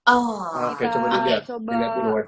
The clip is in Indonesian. oke coba lihat